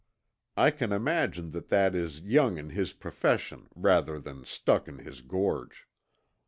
I can imagine that that "is young in his profession" rather stuck in his gorge.